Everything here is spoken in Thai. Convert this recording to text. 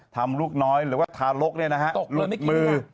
ทำลูกน้อยหรือว่าทารกลุกมือ